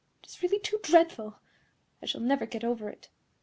It is really too dreadful! I shall never get over it."